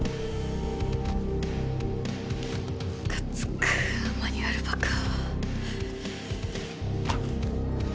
むかつくマニュアルバカ。